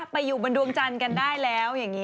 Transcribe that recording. ไปอยู่บนดวงจันทร์กันได้แล้วอย่างนี้